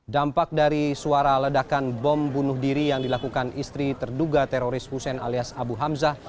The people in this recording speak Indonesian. dampak dari suara ledakan bom bunuh diri yang dilakukan istri terduga teroris hussein alias abu hamzah